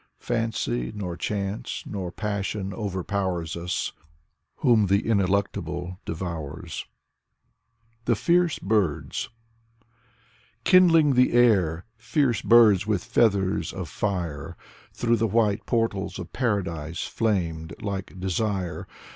Fancy, nor chance, nor passion overpowers Us, whom the ineluctable devours. 86 Valery Brusov THE FIERCE BIRDS Kindling the air, fierce birds with feathers of fire, Through the white portals of Paradise flamed like desire.